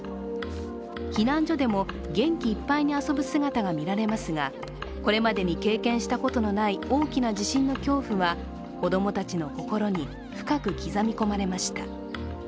避難所でも元気いっぱいに遊ぶ姿が見られますがこれまでに経験したことのない大きな地震の恐怖は子供たちの心に深く刻み込まれました。